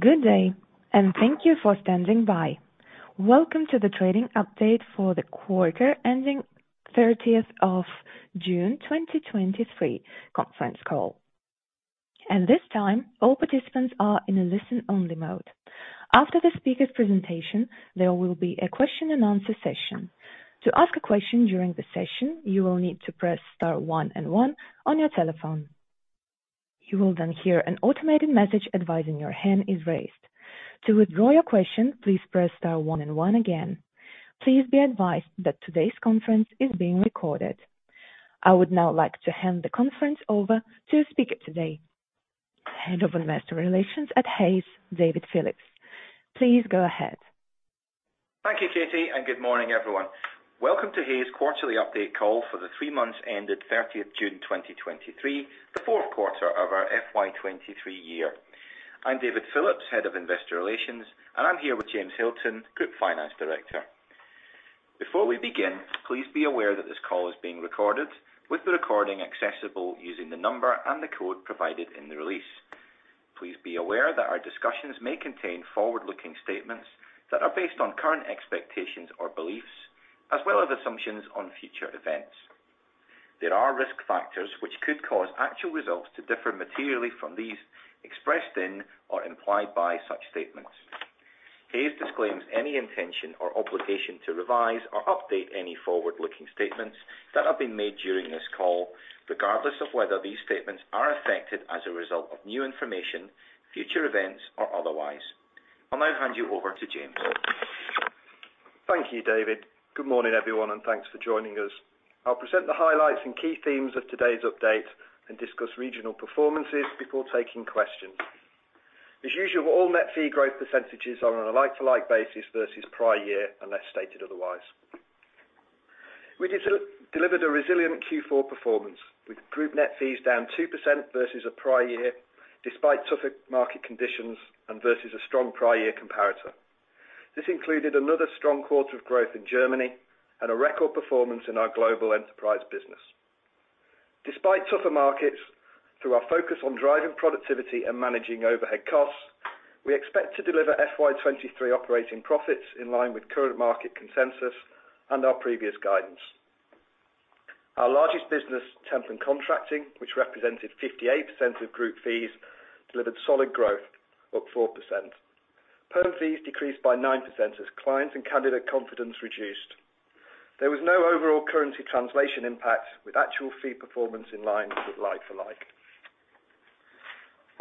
Good day, and thank you for standing by. Welcome to the trading update for the quarter ending 30th of June 2023 conference call. At this time, all participants are in a listen-only mode. After the speaker's presentation, there will be a question and answer session. To ask a question during the session, you will need to press star one and one on your telephone. You will then hear an automated message advising your hand is raised. To withdraw your question, please press star one and one again. Please be advised that today's conference is being recorded. I would now like to hand the conference over to speaker today, Head of Investor Relations at Hays, David Phillips. Please go ahead. Thank you, Katie. Good morning, everyone. Welcome to Hays' quarterly update call for the three months ended 30th June 2023, the fourth quarter of our FY 2023 year. I'm David Phillips, Head of Investor Relations, and I'm here with James Hilton, Group Finance Director. Before we begin, please be aware that this call is being recorded, with the recording accessible using the number and the code provided in the release. Please be aware that our discussions may contain forward-looking statements that are based on current expectations or beliefs, as well as assumptions on future events. There are risk factors which could cause actual results to differ materially from these expressed in or implied by such statements. Hays disclaims any intention or obligation to revise or update any forward-looking statements that have been made during this call, regardless of whether these statements are affected as a result of new information, future events, or otherwise. I'll now hand you over to James. Thank you, David. Good morning, everyone, thanks for joining us. I'll present the highlights and key themes of today's update and discuss regional performances before taking questions. As usual, all net fees growth percentages are on a like-to-like basis versus prior year, unless stated otherwise. We delivered a resilient Q4 performance, with group net fees down 2% versus the prior year, despite tougher market conditions and versus a strong prior year comparator. This included another strong quarter of growth in Germany and a record performance in our global Enterprise business. Despite tougher markets, through our focus on driving productivity and managing overhead costs, we expect to deliver FY 2023 operating profits in line with current market consensus and our previous guidance. Our largest business, Temp & Contracting, which represented 58% of group fees, delivered solid growth, up 4%. Perm fees decreased by 9% as clients and candidate confidence reduced. There was no overall currency translation impact, with actual fee performance in line with like-for-like.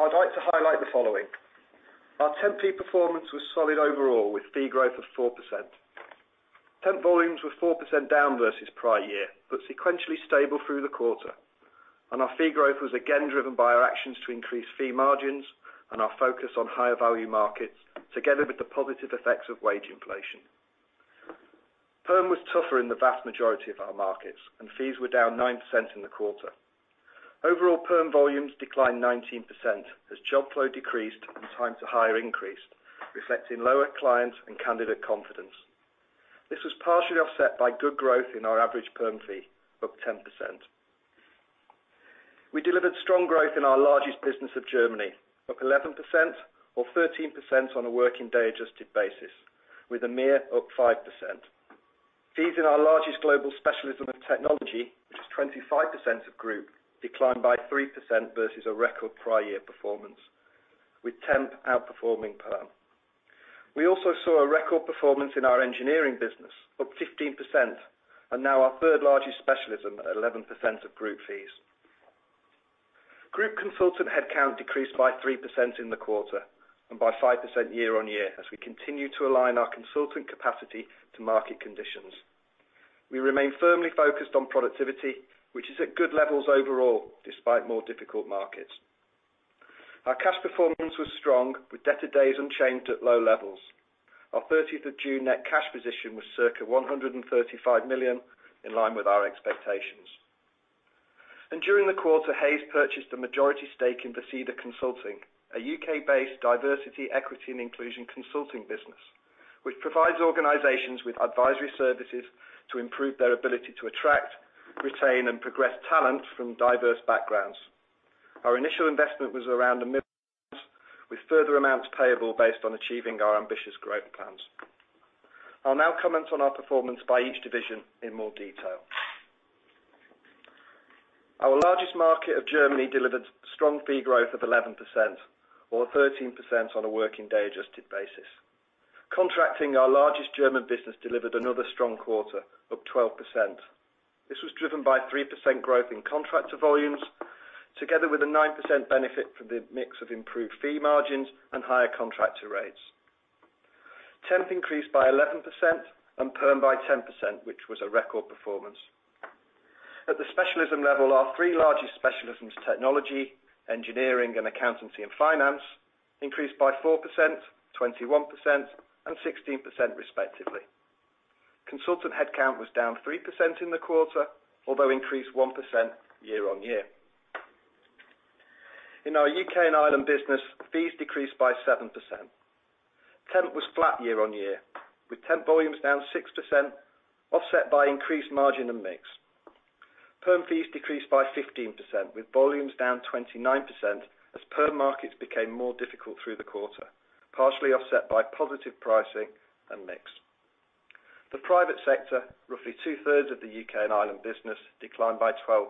I'd like to highlight the following. Our temp fee performance was solid overall, with fee growth of 4%. Temp volumes were 4% down versus prior year, sequentially stable through the quarter. Our fee growth was again driven by our actions to increase fee margins and our focus on higher value markets together with the positive effects of wage inflation. Perm was tougher in the vast majority of our markets, fees were down 9% in the quarter. Overall, perm volumes declined 19% as job flow decreased and time to hire increased, reflecting lower client and candidate confidence. This was partially offset by good growth in our average perm fee, up 10%. We delivered strong growth in our largest business of Germany, up 11% or 13% on a working-day adjusted basis, with APAC up 5%. Fees in our largest global specialism of Technology, which is 25% of group, declined by 3% versus a record prior year performance, with Temp outperforming Perm. We also saw a record performance in our Engineering business, up 15%, and now our third largest specialism at 11% of group fees. Group consultant headcount decreased by 3% in the quarter and by 5% year-on-year, as we continue to align our consultant capacity to market conditions. We remain firmly focused on productivity, which is at good levels overall, despite more difficult markets. Our cash performance was strong, with debtor days unchanged at low levels. Our 30th of June net cash position was circa 135 million, in line with our expectations. During the quarter, Hays purchased a majority stake in Vercida Consulting, a U.K.-based Diversity, Equity & Inclusion consulting business, which provides organizations with advisory services to improve their ability to attract, retain, and progress talent from diverse backgrounds. Our initial investment was around 1 million pounds, with further amounts payable based on achieving our ambitious growth plans. I'll now comment on our performance by each division in more detail. Our largest market of Germany delivered strong fee growth of 11% or 13% on a working-day adjusted basis. Contracting, our largest German business, delivered another strong quarter of 12%. This was driven by 3% growth in contractor volumes, together with a 9% benefit from the mix of improved fee margins and higher contractor rates. Temp increased by 11% and Perm by 10%, which was a record performance. At the specialism level, our three largest specialisms, Technology, Engineering, and Accountancy & Finance, increased by 4%, 21%, and 16% respectively. Consultant headcount was down 3% in the quarter, although increased 1% year-on-year. In our U.K. and Ireland business, fees decreased by 7%. Temp was flat year-on-year, with Temp volumes down 6%, offset by increased margin and mix. Perm fees decreased by 15%, with volumes down 29%, as Perm markets became more difficult through the quarter, partially offset by positive pricing and mix. The private sector, roughly two-thirds of the U.K. and Ireland business, declined by 12%,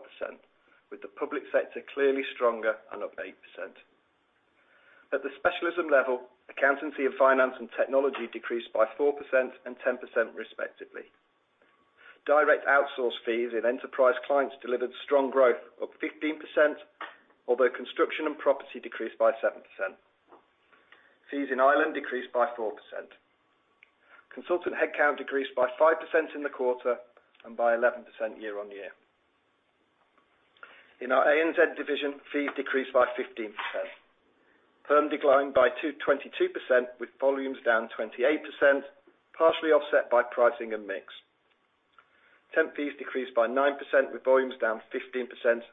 with the public sector clearly stronger and up 8%. At the specialism level, Accountancy & Finance and Technology decreased by 4% and 10% respectively. Direct outsource fees in enterprise clients delivered strong growth of 15%, although Construction & Property decreased by 7%. Fees in Ireland decreased by 4%. Consultant headcount decreased by 5% in the quarter and by 11% year-on-year. In our ANZ division, fees decreased by 15%. Perm declined by 22%, with volumes down 28%, partially offset by pricing and mix. Temp fees decreased by 9%, with volumes down 15%,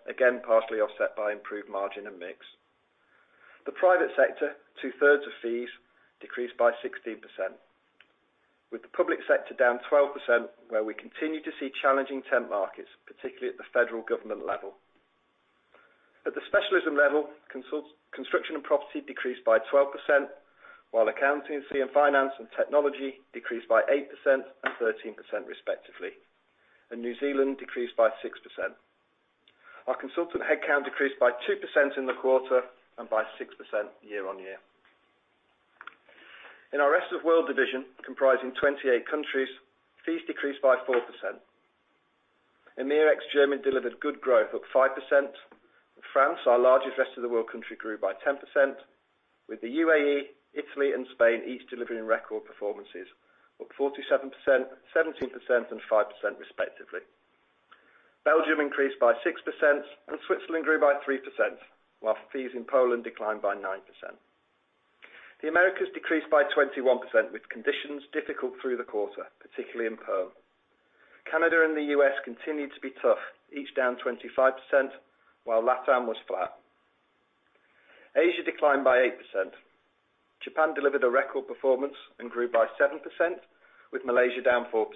again, partially offset by improved margin and mix. The private sector, 2/3 of fees, decreased by 16%, with the public sector down 12%, where we continue to see challenging temp markets, particularly at the federal government level. At the specialism level, Construction & Property decreased by 12%, while Accountancy & Finance and Technology decreased by 8% and 13% respectively. New Zealand decreased by 6%. Our consultant headcount decreased by 2% in the quarter and by 6% year-on-year. In our Rest of World division, comprising 28 countries, fees decreased by 4%. EMEA ex Germany delivered good growth, up 5%. France, our largest Rest of World country, grew by 10%, with the UAE, Italy, and Spain each delivering record performances, up 47%, 17%, and 5% respectively. Belgium increased by 6% and Switzerland grew by 3%, while fees in Poland declined by 9%. The Americas decreased by 21%, with conditions difficult through the quarter, particularly in perm. Canada and the U.S. continued to be tough, each down 25%, while LATAM was flat. Asia declined by 8%. Japan delivered a record performance and grew by 7%, with Malaysia down 4%.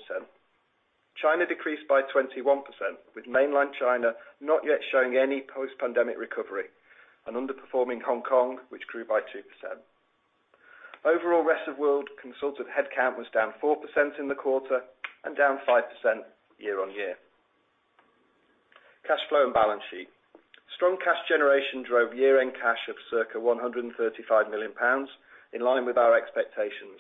China decreased by 21%, with mainland China not yet showing any post-pandemic recovery and underperforming Hong Kong, which grew by 2%. Overall, Rest of World consultant headcount was down 4% in the quarter and down 5% year-on-year. Cash flow and balance sheet. Strong cash generation drove year-end cash of circa 135 million pounds, in line with our expectations,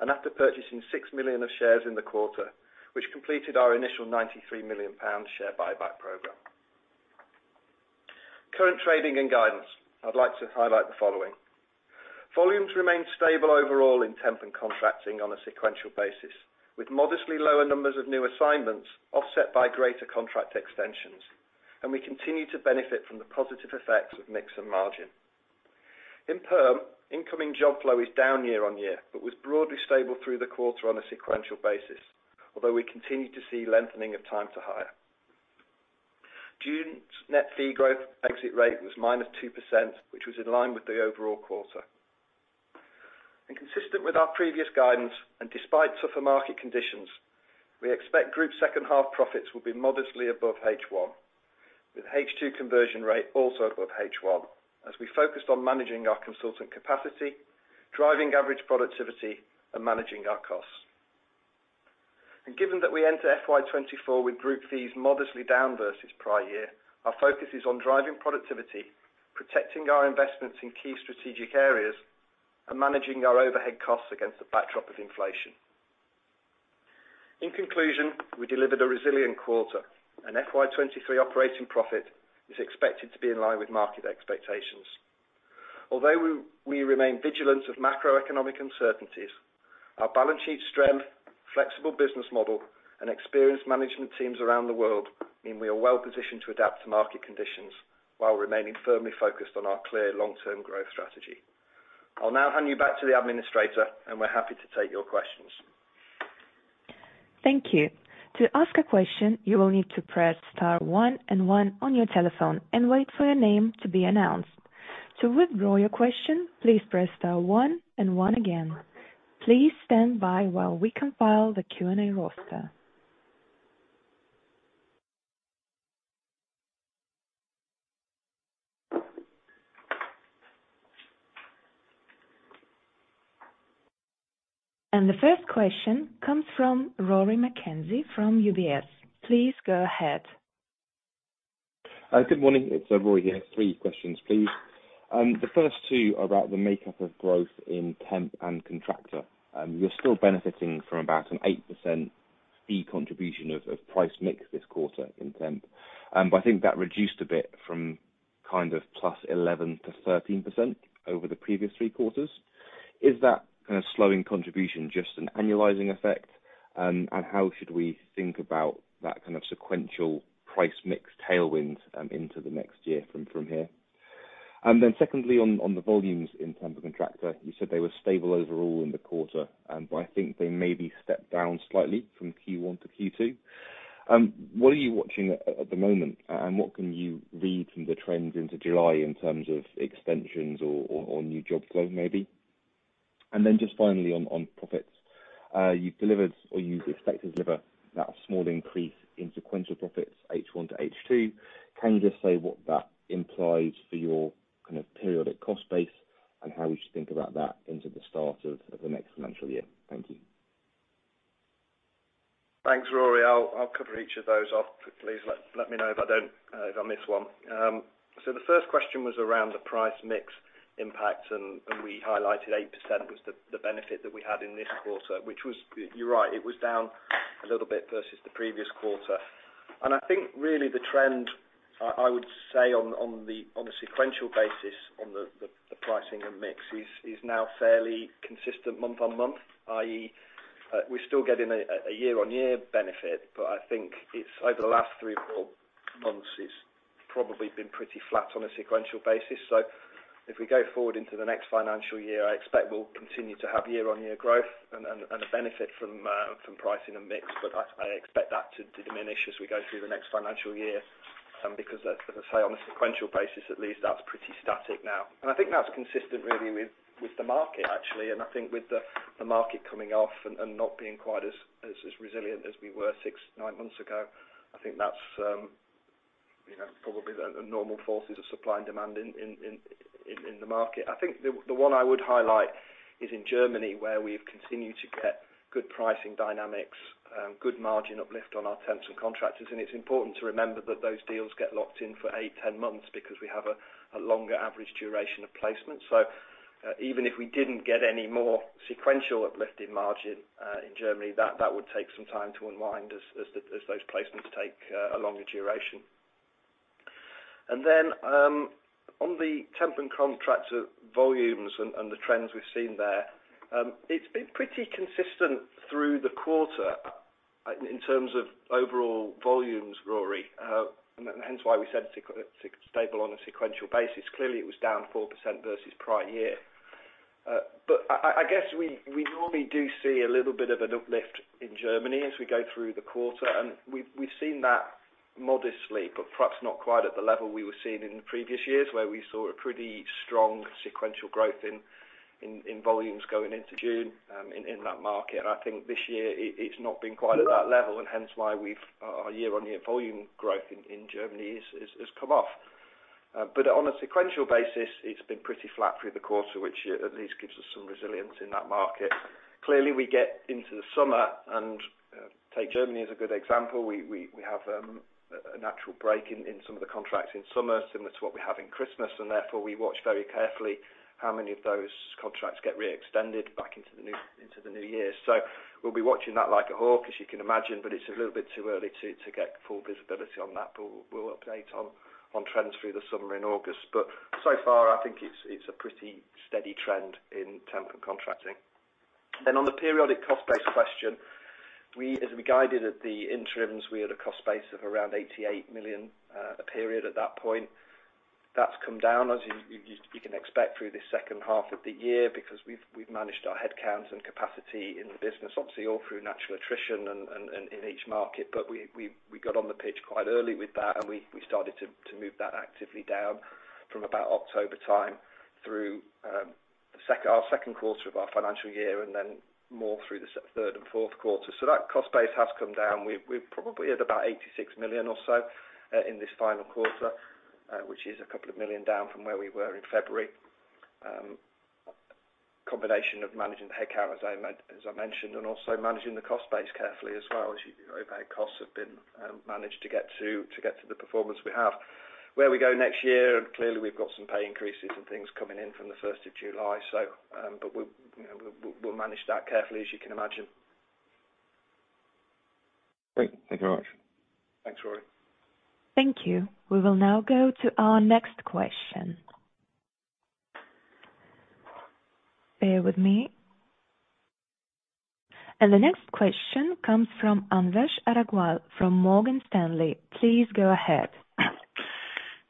and after purchasing 6 million of shares in the quarter, which completed our initial 93 million pounds share buyback program. Current trading and guidance, I'd like to highlight the following: volumes remain stable overall in Temp & Contracting on a sequential basis, with modestly lower numbers of new assignments offset by greater contract extensions. We continue to benefit from the positive effects of mix and margin. In Perm, incoming job flow is down year-on-year, but was broadly stable through the quarter on a sequential basis, although we continue to see lengthening of time to hire. June's net fee growth exit rate was -2%, which was in line with the overall quarter. Consistent with our previous guidance, and despite tougher market conditions, we expect group second half profits will be modestly above H1, with H2 conversion rate also above H1, as we focused on managing our consultant capacity, driving average productivity, and managing our costs. Given that we enter FY 2024 with group fees modestly down versus prior year, our focus is on driving productivity, protecting our investments in key strategic areas, and managing our overhead costs against the backdrop of inflation. In conclusion, we delivered a resilient quarter, and FY 2023 operating profit is expected to be in line with market expectations. Although we remain vigilant of macroeconomic uncertainties, our balance sheet strength, flexible business model, and experienced management teams around the world mean we are well positioned to adapt to market conditions while remaining firmly focused on our clear long-term growth strategy. I'll now hand you back to the administrator, and we're happy to take your questions. Thank you. To ask a question, you will need to press star one and one on your telephone and wait for your name to be announced. To withdraw your question, please press star one and one again. Please stand by while we compile the Q&A roster. The first question comes from Rory McKenzie, from UBS. Please go ahead. Good morning, it's Rory here. three questions, please. The first two are about the makeup of growth in temp and contractor. You're still benefiting from about an 8% fee contribution of price mix this quarter in temp, I think that reduced a bit from kind of +11%-13% over the previous three quarters. Is that kind of slowing contribution just an annualizing effect? How should we think about that kind of sequential price mix tailwind into the next year from here? Secondly, on the volumes in temp and contractor, you said they were stable overall in the quarter, I think they maybe stepped down slightly from Q1 to Q2. What are you watching at the moment? What can you read from the trends into July in terms of extensions or, or new job flow, maybe? Then just finally on profits. You've delivered or you expect to deliver that small increase in sequential profits, H1 to H2. Can you just say what that implies for your kind of periodic cost base, and how we should think about that into the start of the next financial year? Thank you. Thanks, Rory. I'll cover each of those off. Please let me know if I miss one. The first question was around the price mix impact, we highlighted 8% was the benefit that we had in this quarter, which was, you're right, it was down a little bit versus the previous quarter. I think really the trend I would say on a sequential basis on the pricing and mix is now fairly consistent month-over-month, i.e., we're still getting a year-over-year benefit, but I think it's over the last three or four months, it's probably been pretty flat on a sequential basis. If we go forward into the next financial year, I expect we'll continue to have year-on-year growth and a benefit from pricing and mix. I expect that to diminish as we go through the next financial year. Because as I say, on a sequential basis, at least, that's pretty static now. I think that's consistent really with the market actually, and I think with the market coming off and not being quite as resilient as we were six, nine months ago, I think that's, you know, probably the normal forces of supply and demand in the market. I think the one I would highlight is in Germany, where we've continued to get good pricing dynamics, good margin uplift on our temp and contractors. It's important to remember that those deals get locked in for eight, 10 months because we have a longer average duration of placement. Even if we didn't get any more sequential uplift in margin in Germany, that would take some time to unwind as those placements take a longer duration. On the Temp & Contracting volumes and the trends we've seen there, it's been pretty consistent through the quarter in terms of overall volumes, Rory. Hence why we said stable on a sequential basis. Clearly, it was down 4% versus prior year. I guess we normally do see a little bit of an uplift in Germany as we go through the quarter, and we've seen that modestly, but perhaps not quite at the level we were seeing in the previous years, where we saw a pretty strong sequential growth in volumes going into June in that market. I think this year, it's not been quite at that level, and hence why we've. Our year-on-year volume growth in Germany is has come off. On a sequential basis, it's been pretty flat through the quarter, which at least gives us some resilience in that market. Clearly, we get into the summer and take Germany as a good example. We have a natural break in some of the contracts in summer, similar to what we have in Christmas. We watch very carefully how many of those contracts get re-extended back into the new year. We'll be watching that like a hawk, as you can imagine, but it's a little bit too early to get full visibility on that. We'll update on trends through the summer in August. So far, I think it's a pretty steady trend in Temp & Contracting. On the periodic cost base question, as we guided at the interims, we had a cost base of around 88 million a period at that point. That's come down, as you can expect through the second half of the year, because we've managed our headcount and capacity in the business, obviously, all through natural attrition and in each market. We got on the pitch quite early with that, and we started to move that actively down from about October time through our second quarter of our financial year, and then more through the third and fourth quarter. That cost base has come down. We're probably at about 86 million or so in this final quarter, which is a couple of million down from where we were in February. Combination of managing the headcount, as I mentioned, and also managing the cost base carefully as well, as overhead costs have been managed to get to the performance we have. Where we go next year, clearly, we've got some pay increases and things coming in from the first of July, we'll, you know, we'll manage that carefully, as you can imagine. Great. Thank you very much. Thanks, Rory. Thank you. We will now go to our next question. Bear with me. The next question comes from Anvesh Agrawal from Morgan Stanley. Please go ahead.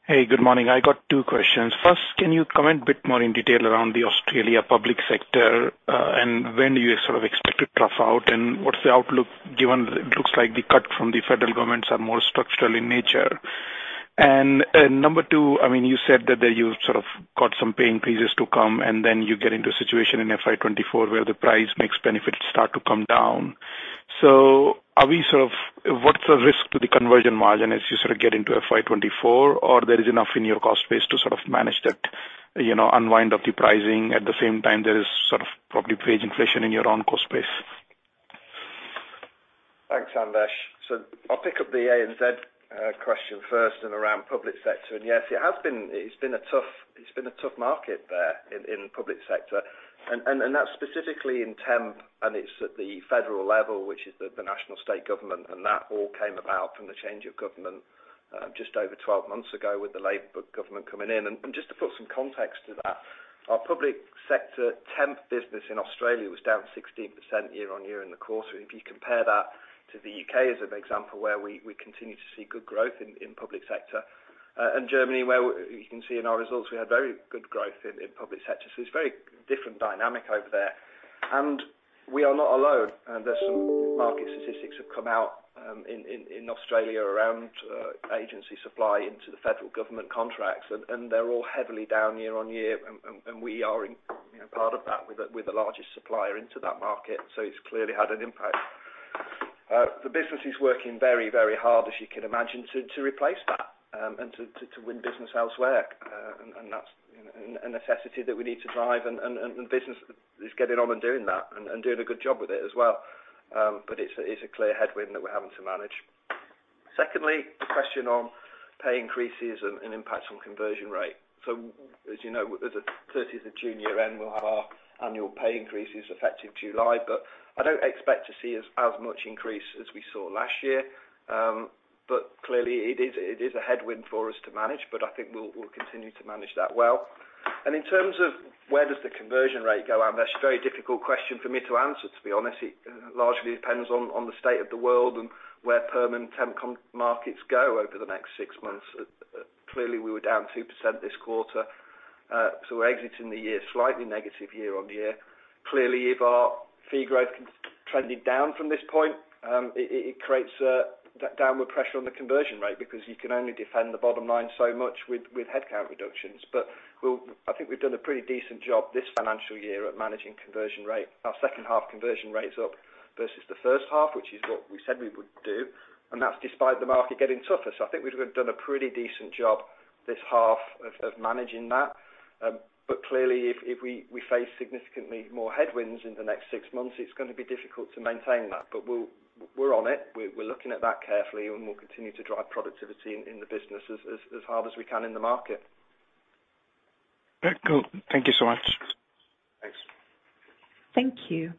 Hey, good morning. I got two questions. First, can you comment a bit more in detail around the Australia public sector, and when do you sort of expect to tough out, and what's the outlook, given it looks like the cut from the federal governments are more structural in nature? Number two, I mean, you said that you sort of got some pay increases to come, and then you get into a situation in FY 2024, where the price makes benefits start to come down. What's the risk to the conversion rate as you sort of get into FY 2024, or there is enough in your cost base to sort of manage that, you know, unwind of the pricing? At the same time, there is sort of probably wage inflation in your own cost base. I'll pick up the A and Z question first and around public sector. Yes, it has been. It's been a tough market there in public sector. That's specifically in temp, and it's at the federal level, which is the national state government, and that all came about from the change of government just over 12 months ago with the Labour government coming in. Just to put some context to that, our public sector temp business in Australia was down 16% year-on-year in the quarter. If you compare that to the U.K. as an example, where we continue to see good growth in public sector, and Germany, where you can see in our results, we had very good growth in public sector. It's very different dynamic over there. We are not alone, and there's some market statistics have come out in Australia around agency supply into the federal government contracts, and they're all heavily down year-on-year, and we are in, you know, part of that, with the largest supplier into that market. It's clearly had an impact. The business is working very, very hard, as you can imagine, to replace that, and to win business elsewhere. And that's, you know, a necessity that we need to drive, and business is getting on and doing that, and doing a good job with it as well. But it's a clear headwind that we're having to manage. Secondly, the question on pay increases and impacts on conversion rate. As you know, as of 30th of June year end, we'll have our annual pay increases effective July, but I don't expect to see as much increase as we saw last year. Clearly it is a headwind for us to manage, but I think we'll continue to manage that well. In terms of where does the conversion rate go, that's a very difficult question for me to answer, to be honest. It largely depends on the state of the world and where Perm and Temp com markets go over the next six months. Clearly, we were down 2% this quarter, so we're exiting the year, slightly negative year-on-year. Clearly, if our fee growth trending down from this point, it creates that downward pressure on the conversion rate because you can only defend the bottom line so much with headcount reductions. I think we've done a pretty decent job this financial year at managing conversion rate. Our second half conversion rate is up versus the first half, which is what we said we would do, and that's despite the market getting tougher. I think we've done a pretty decent job this half of managing that. Clearly if we face significantly more headwinds in the next 6 months, it's going to be difficult to maintain that. We're on it. We're looking at that carefully, and we'll continue to drive productivity in the business as hard as we can in the market. Cool. Thank you so much. Thanks. Thank you.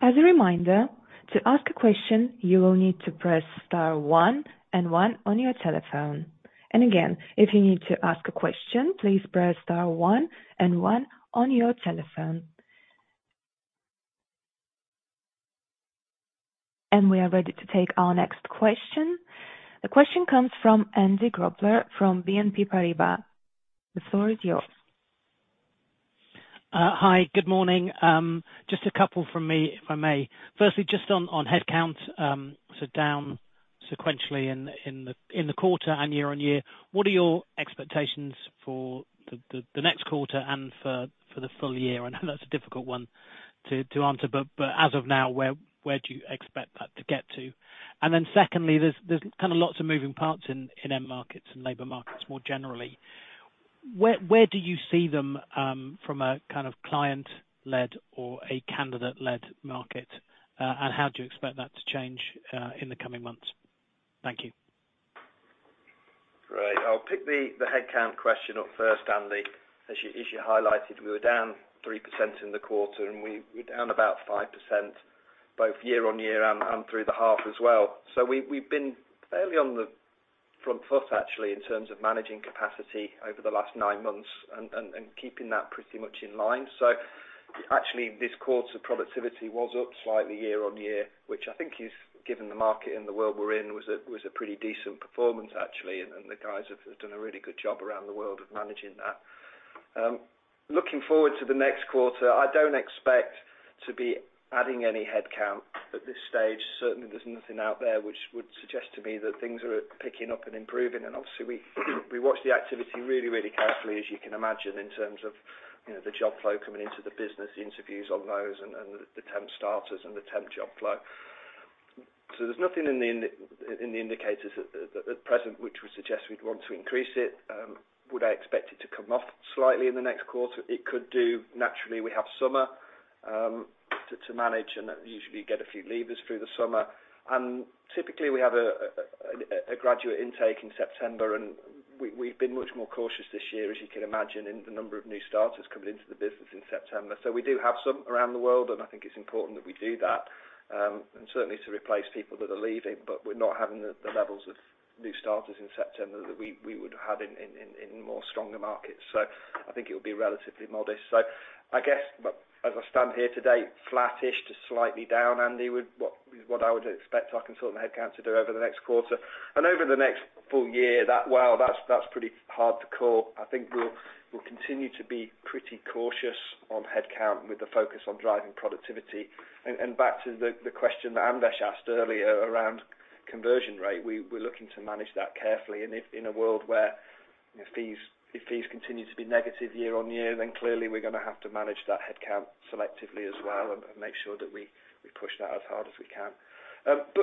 As a reminder, to ask a question, you will need to press star one and one on your telephone. Again, if you need to ask a question, please press star one and one on your telephone. We are ready to take our next question. The question comes from Andy Grobler from BNP Paribas. The floor is yours. Hi, good morning. Just a couple from me, if I may. Firstly, just on headcount, down sequentially in the quarter and year-on-year, what are your expectations for the next quarter and for the full year? I know that's a difficult one to answer, but as of now, where do you expect that to get to? Secondly, there's kind of lots of moving parts in end markets and labor markets more generally. Where do you see them from a kind of client-led or a candidate-led market? How do you expect that to change in the coming months? Thank you. Great. I'll pick the headcount question up first, Andy. As you highlighted, we were down 3% in the quarter, and we're down about 5% both year-on-year and through the half as well. We've been fairly on the front foot, actually, in terms of managing capacity over the last nine months and keeping that pretty much in line. Actually, this quarter, productivity was up slightly year-on-year, which I think is, given the market and the world we're in, was a pretty decent performance actually, and the guys have done a really good job around the world of managing that. Looking forward to the next quarter, I don't expect to be adding any headcount at this stage. Certainly there's nothing out there which would suggest to me that things are picking up and improving. Obviously, we watch the activity really, really carefully, as you can imagine, in terms of, you know, the job flow coming into the business, the interviews on those and the temp starters and the temp job flow. There's nothing in the indicators at present which would suggest we'd want to increase it. Would I expect it to come off slightly in the next quarter? It could do. Naturally, we have summer to manage, and usually get a few leavers through the summer. Typically, we have a graduate intake in September, and we've been much more cautious this year, as you can imagine, in the number of new starters coming into the business in September. We do have some around the world, and I think it's important that we do that, and certainly to replace people that are leaving, but we're not having the levels of new starters in September that we would have in more stronger markets. I think it will be relatively modest. I guess as I stand here today, flattish to slightly down, Andy, what I would expect our consultant headcount to do over the next quarter. Over the next full year, that's pretty hard to call. I think we'll continue to be pretty cautious on headcount with the focus on driving productivity. Back to the question that Anvesh asked earlier around conversion rate, we're looking to manage that carefully. If in a world where, you know, fees, if fees continue to be negative year-on-year, then clearly we're going to have to manage that headcount selectively as well and make sure that we push that as hard as we can.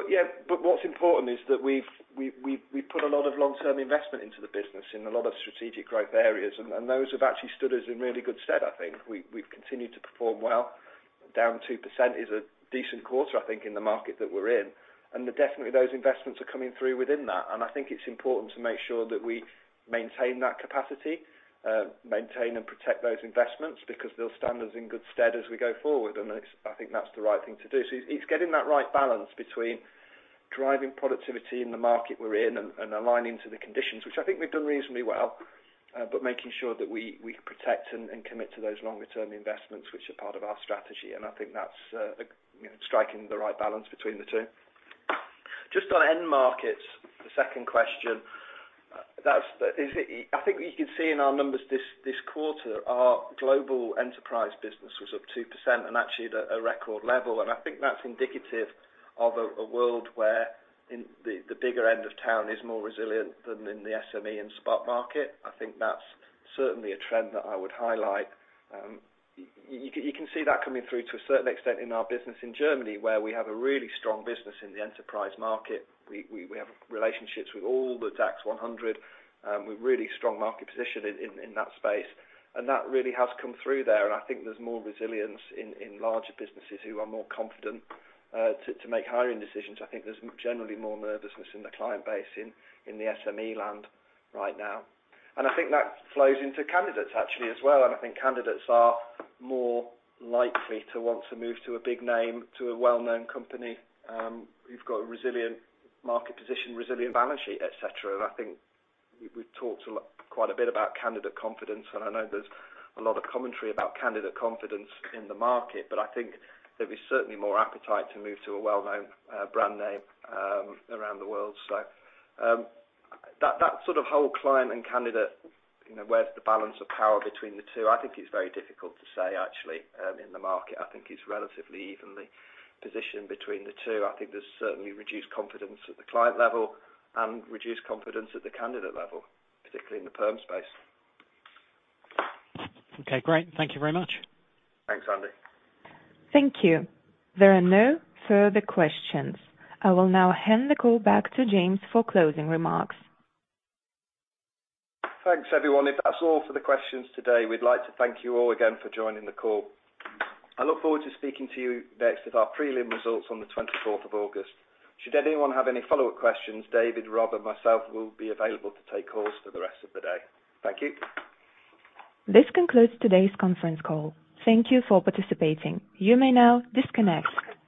Yeah, but what's important is that we've put a lot of long-term investment into the business in a lot of strategic growth areas, and those have actually stood us in really good stead, I think. We've continued to perform well. Down 2% is a decent quarter, I think, in the market that we're in, and definitely those investments are coming through within that. I think it's important to make sure that we maintain that capacity, maintain and protect those investments because they'll stand us in good stead as we go forward. I think that's the right thing to do. It's getting that right balance between driving productivity in the market we're in and aligning to the conditions, which I think we've done reasonably well, but making sure that we protect and commit to those longer-term investments, which are part of our strategy. I think that's, you know, striking the right balance between the two. Just on end markets, the second question, that's, I think you can see in our numbers this quarter, our global Enterprise business was up 2% and actually at a record level. I think that's indicative of a world where in the bigger end of town is more resilient than in the SME and spot market. I think that's certainly a trend that I would highlight. You can see that coming through to a certain extent in our business in Germany, where we have a really strong business in the enterprise market. We have relationships with all the DAX 100, with really strong market position in that space. That really has come through there, and I think there's more resilience in larger businesses who are more confident to make hiring decisions. I think there's generally more nervousness in the client base in the SME land right now. I think that flows into candidates actually as well, and I think candidates are more likely to want to move to a big name, to a well-known company. Who've got a resilient market position, resilient balance sheet, et cetera. I think we've talked a lot, quite a bit about candidate confidence, and I know there's a lot of commentary about candidate confidence in the market. I think there is certainly more appetite to move to a well-known brand name around the world. That sort of whole client and candidate, you know, where's the balance of power between the two? I think it's very difficult to say actually, in the market. I think it's relatively evenly positioned between the two. I think there's certainly reduced confidence at the client level and reduced confidence at the candidate level, particularly in the Perm space. Okay, great. Thank you very much. Thanks, Andy. Thank you. There are no further questions. I will now hand the call back to James for closing remarks. Thanks, everyone. If that's all for the questions today, we'd like to thank you all again for joining the call. I look forward to speaking to you next with our prelim results on the 24th of August. Should anyone have any follow-up questions, David, Rob, and myself will be available to take calls for the rest of the day. Thank you. This concludes today's conference call. Thank you for participating. You may now disconnect.